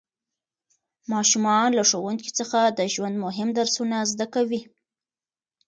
ماشومان له ښوونکي څخه د ژوند مهم درسونه زده کوي